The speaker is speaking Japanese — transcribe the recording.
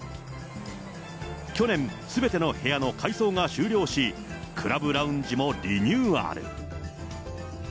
去年、すべての部屋の改装が終了し、クラブ・ラウンジもリニューアル。